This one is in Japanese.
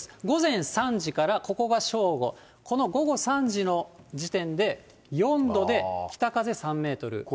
午前３時から、ここが正午、この午後３時の時点で４度で北風３メートル。